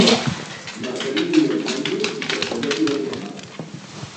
Margarida i els Monjos, i Castellet i la Gornal.